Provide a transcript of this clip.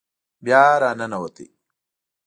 بیا را ننوت.